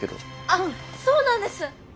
あっそうなんです！